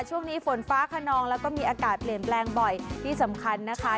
ช่วงนี้ฝนฟ้าขนองแล้วก็มีอากาศเปลี่ยนแปลงบ่อยที่สำคัญนะคะ